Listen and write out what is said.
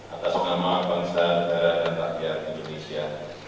atas nama bangsa negara dan rakyat indonesia